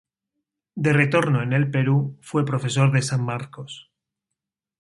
De retorno en el Perú fue profesor de San Marcos.